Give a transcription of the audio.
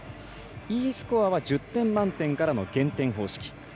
Ｅスコアは１０点満点からの減点方式。